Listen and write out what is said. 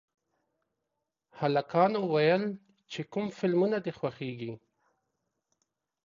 هلکانو ویل چې کوم فلمونه دي خوښېږي